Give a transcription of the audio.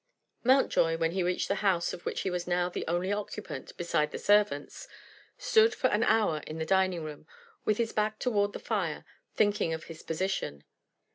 Mountjoy, when he reached the house of which he was now the only occupant besides the servants, stood for an hour in the dining room with his back toward the fire, thinking of his position.